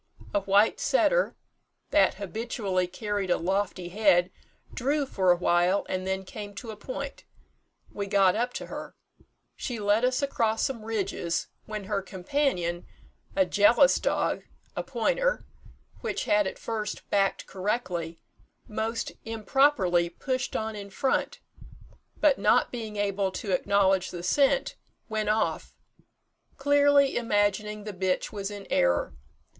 A white setter, that habitually carried a lofty head, drew for awhile, and then came to a point. We got up to her. She led us across some ridges, when her companion, a jealous dog (a pointer), which had at first backed correctly, most improperly pushed on in front, but, not being able to acknowledge the scent, went off, clearly imagining the bitch was in error.